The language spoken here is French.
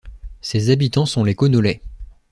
Ses habitants sont les Connaulais.